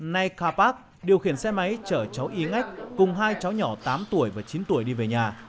nay karpag điều khiển xe máy chở cháu y ngách cùng hai cháu nhỏ tám tuổi và chín tuổi đi về nhà